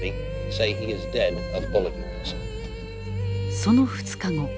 その２日後。